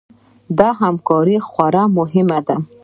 دا همکاري خورا مهمه وه.